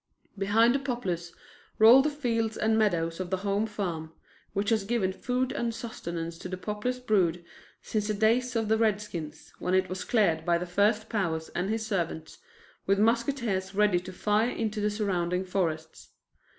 Behind the Poplars roll the fields and meadows of the Home Farm, which has given food and sustenance to the Poplars' brood since the days of the redskins, when it was cleared by the first Powers and his servants, with muskets ready to fire into the surrounding forests.